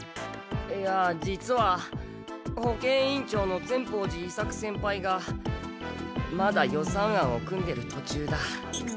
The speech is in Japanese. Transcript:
いや実は保健委員長の善法寺伊作先輩がまだ予算案を組んでるとちゅうだ。